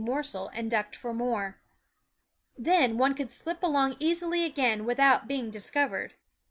mor sel and ducked for more. SCHOOL OF Then one could slip along easily again with out being discovered.